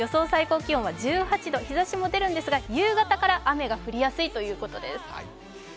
最高気温は１８度、日ざしも出るんですが夕方から雨が降りやすいということです。